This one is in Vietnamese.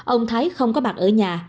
ông thái không có mặt ở nhà